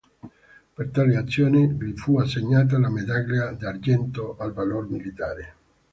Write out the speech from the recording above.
Per tale azione gli fu assegnata la Medaglia d'argento al valor militare.